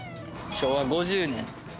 昭和５０年？